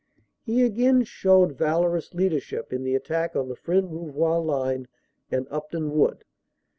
He again showed valorous leadership in the attack on the Fresnes Rouvroy line and Upton Wood.